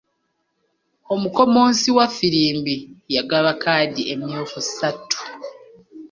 Omukommonsi was ffirimbi yagaba kkaadi emyufu ssatu.